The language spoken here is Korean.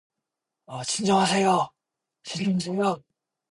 진정하세요.